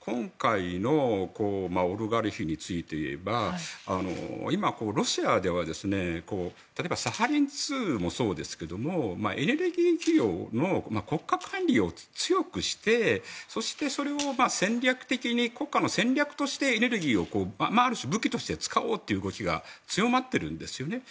今回のオリガルヒについていえば今、ロシアでは例えばサハリン２もそうですけどエネルギー企業の国家管理を強くしてそして、それを戦略的に国家の戦略としてエネルギーをある種、武器として使おうという動きが強まっているんですよね。